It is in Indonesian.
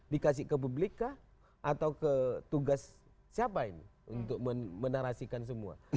dikasih ke publika atau ke tugas siapa ini untuk menarasikan semua